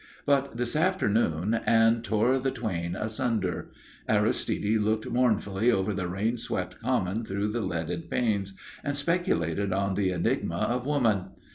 But this afternoon Anne tore the twain asunder. Aristide looked mournfully over the rain swept common through the leaded panes, and speculated on the enigma of woman.